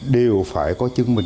đều phải có chứng minh